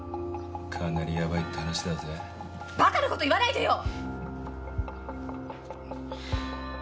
かなりやばいって話だぜバカなこと言わないでよ！